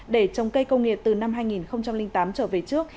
để trồng cây công nghiệp từ năm hai nghìn tám trở về trước